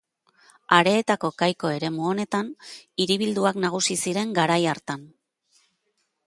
Areetako Kaiko eremu honetan, hiribilduak nagusi ziren garai hartan.